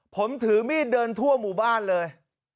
ผมถือมีดเดินทั่วหมู่บ้านเลย